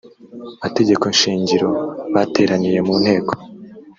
mategeko shingiro bateraniye mu nteko